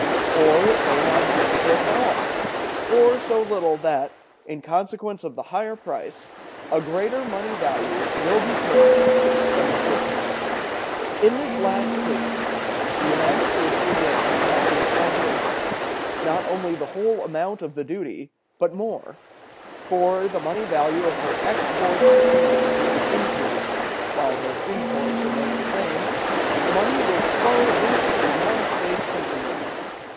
Or it may not diminish it at all, or so little that, in consequence of the higher price, a greater money value will be purchased than before. In this last case, the United States will gain, at the expense of England, not only the whole amount of the duty, but more; for, the money value of her exports to England being increased, while her imports remain the same, money will flow into the United States from England.